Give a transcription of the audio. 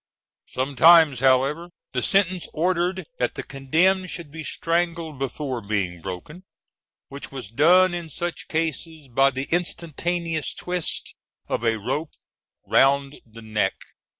Sometimes, however, the sentence ordered that the condemned should be strangled before being broken, which was done in such cases by the instantaneous twist of a rope round the neck.